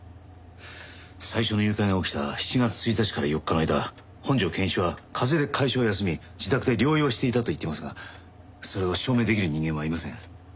最初の誘拐が起きた７月１日から４日の間本条健一は風邪で会社を休み自宅で療養していたと言っていますがそれを証明できる人間はいません。